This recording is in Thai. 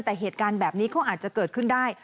แต่เหตุการณ์แบบนี้ก็อาจจะเกิดขึ้นได้